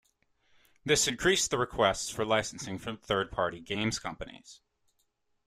This increased the requests for licensing from third-party games companies.